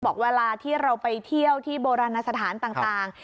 เวลาที่เราไปเที่ยวที่โบราณสถานต่าง